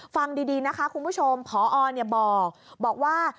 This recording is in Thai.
ฟังดีนะคะคุณผู้ชมพอบอกว่า